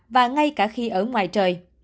và ngay cả khi ở ngoài trời